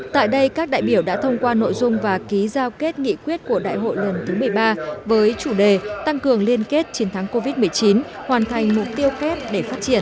tại đây các đại biểu đã thông qua nội dung và ký giao kết nghị quyết của đại hội lần thứ một mươi ba với chủ đề tăng cường liên kết chiến thắng covid một mươi chín hoàn thành mục tiêu kép để phát triển